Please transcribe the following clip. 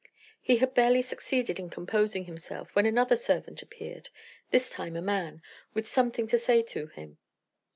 He had barely succeeded in composing himself, when another servant appeared this time a man with something to say to him.